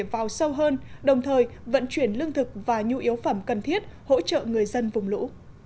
vào sâu hơn đồng thời vận chuyển lương thực và nhu yếu phẩm cần thiết hỗ trợ người dân vùng lũ